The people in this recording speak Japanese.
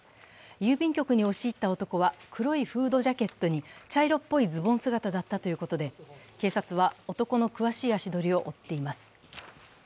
郵便局に押し入った男は黒いフードジャケットに茶色っぽいズボン姿だったということで、警察は男の詳しい足取りを追っています。